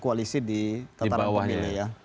koalisi di tataran pemilih ya